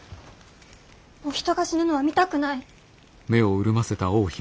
もう人が死ぬのは見たくない。